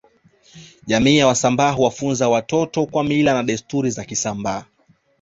Jamii ya wasambaa huwafunza watoto kwa Mila na desturi za kisambaa